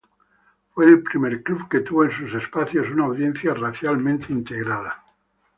Fue el primer club que tuvo en sus espacios una audiencia racialmente integrada.